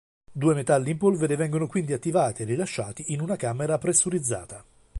Due metalli in polvere vengono quindi attivati e rilasciati in una camera pressurizzata.